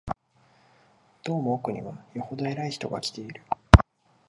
どうも奥には、よほど偉い人が来ている